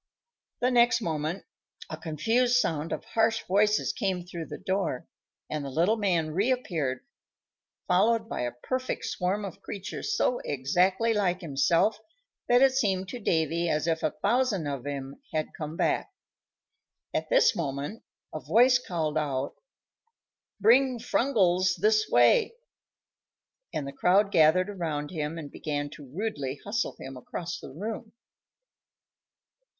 The next moment a confused sound of harsh voices came through the door, and the little man reappeared, followed by a perfect swarm of creatures so exactly like himself that it seemed to Davy as if a thousand of him had come back. At this moment a voice called out, "Bring Frungles this way;" and the crowd gathered around him and began to rudely hustle him across the room.